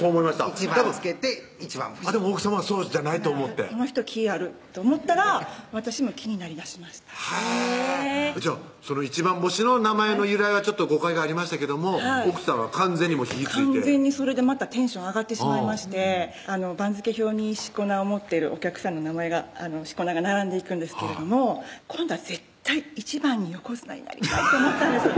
「一番」付けて一番星でも奥さまはそうじゃないと思ってこの人気ぃあると思ったら私も気になりだしましたへぇじゃあ一番星の名前の由来はちょっと誤解がありましたけども奥さんは完全に火ぃついて完全にそれでまたテンション上がってしまいまして番付表に四股名を持ってるお客さんの名前が四股名が並んでいくんですけれども今度は絶対１番に横綱になりたいと思ったんです